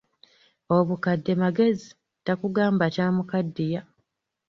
Obukadde magezi, takugamba kyamukaddiya.